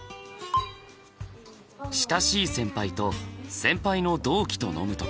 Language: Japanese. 親しい先輩と先輩の同期と飲む時。